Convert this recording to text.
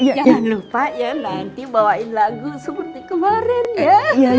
jangan lupa ya nanti bawain lagu seperti kemarin ya